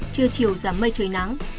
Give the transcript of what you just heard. trưa chiều giảm mây trời nắng